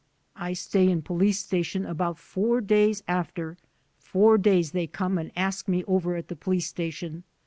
"I stay in police station about four days after ; four days they come and ask me over at the police station.